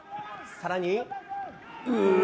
さらに。